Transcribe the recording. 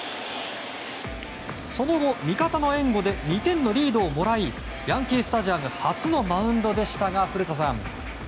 その後、味方の援護で２点のリードをもらいヤンキー・スタジアム初マウンドでしたが、古田さん。